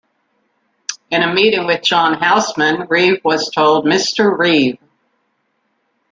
In a meeting with John Houseman, Reeve was told, Mr. Reeve.